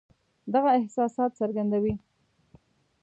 دغه احساسات څرګندوي.